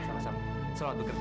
sama sama selamat bekerja ya